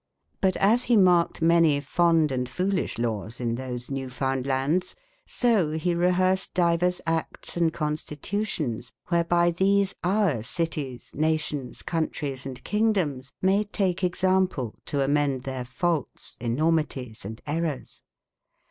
Butas bemarhedmany fonde and folissbe lawes in tbosenewe founde landes, so be rebersed divers actes and constitutions, wbereby tbese oure cities, nations, countreis, & hyng domes may take example to am endetbeir faultes, enormitiesanderrours.